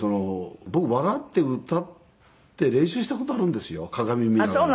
僕笑って歌って練習した事あるんですよ鏡見ながら。